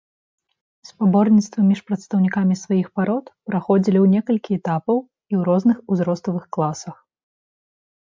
Спаборніцтвы між прадстаўнікамі сваіх парод праходзілі ў некалькі этапаў і ў розных узроставых класах.